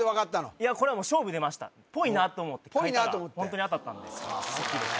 いやこれはもう勝負に出ましたぽいなと思って書いたらホントに当たったんでラッキーでした